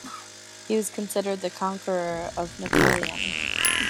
He was considered 'the conqueror of Napoleon'.